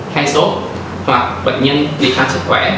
hay sốt hoặc bệnh nhân đi khám sức khỏe